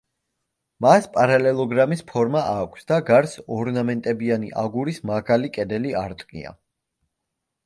მას პარალელოგრამის ფორმა აქვს და გარს ორნამენტებიანი, აგურის მაღალი კედელი არტყია.